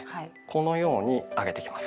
このように上げていきます。